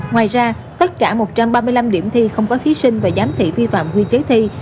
ngoài ra tất cả một trăm ba mươi năm điểm thi không có thí sinh và giám thị vi phạm quy chế thi